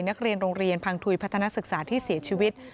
นักเรียนโรงเรียนพังทุยพัฒนาศึกษาที่เสียชีวิต